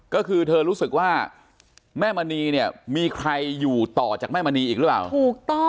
ก็คือเธอรู้สึกว่าแม่มณีเนี่ยมีใครอยู่ต่อจากแม่มณีอีกหรือเปล่าถูกต้อง